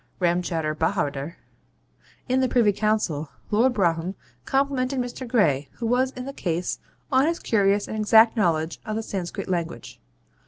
Ramchowder Bahawder) in the Privy Council, Lord Brougham complimented Mr. Gray, who was in the case, on his curious and exact knowledge of the Sanscrit language.